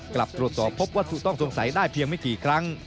กลับตรวจสอบพบวัตถุต้องสงสัยได้เพียงไม่กี่ครั้ง